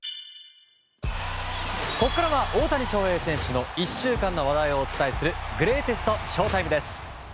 ここからは大谷翔平選手の１週間の話題をお伝えするグレイテストＳＨＯ‐ＴＩＭＥ。